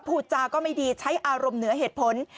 พูดจาก็ไม่ดีใช้อารมณ์เหนือเหตุผล